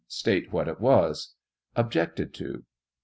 State what it was ? [Objected to.